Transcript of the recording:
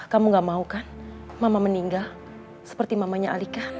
kamu gak mau kan mama meninggal seperti mamanya alika